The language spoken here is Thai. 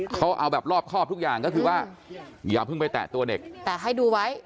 เขาเอาแบบรอบครอบทุกอย่างก็คือว่าอย่าเพิ่งไปแตะตัวเด็กแต่ให้ดูไว้